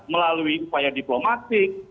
melalui upaya diplomatik